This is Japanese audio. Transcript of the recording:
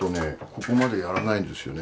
ここまでやらないんですよね。